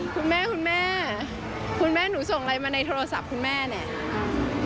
คุณแม่คุณแม่หนูส่งอะไรมาในโทรศัพท์คุณแม่เนี่ย